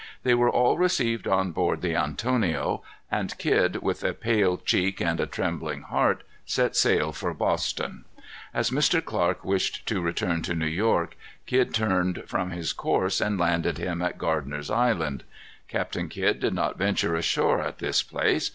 They were all received on board the Antonio, and Kidd, with a pale cheek and a trembling heart, set sail for Boston. As Mr. Clark wished to return to New York, Kidd turned from his course and landed him at Gardiner's Island. Captain Kidd did not venture ashore at this place.